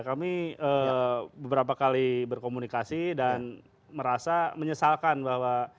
kami beberapa kali berkomunikasi dan merasa menyesalkan bahwa